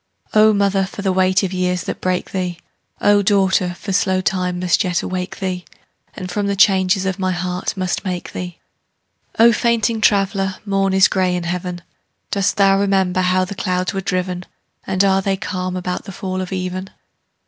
O mother, for the weight of years that break thee! O daughter, for slow time must yet awake thee, And from the changes of my heart must make thee! O fainting traveller, morn is gray in heaven. Dost thou remember how the clouds were driven? And are they calm about the fall of even?